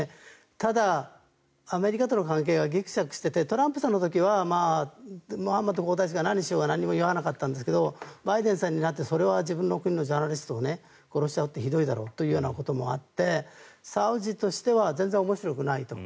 ただ、アメリカとの関係がぎくしゃくしててトランプさんの時はムハンマド皇太子が何しようが何も言わなかったんですがバイデンさんになってそれは自分の国のジャーナリストを殺すのはひどいだろうということもあってサウジとしては全然面白くないと。